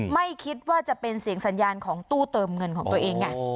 ไม่คิดว่าจะเป็นเสียงสัญญาณของตู้เติมเงินของตัวเองไง